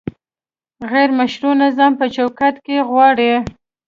غیر مشروع نظام په چوکاټ کې غواړي؟